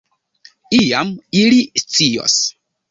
Iam ili scios.